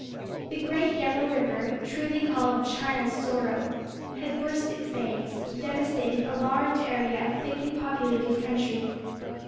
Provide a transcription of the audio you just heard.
The great Yellow River, truly called "China's Sorrow," had burst its banks, devastating a large area of thickly populated country.